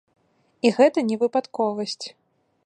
І гэта не выпадковасць.